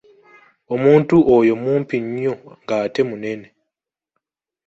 Omuntu oyo mumpi nnyo ng'ate munene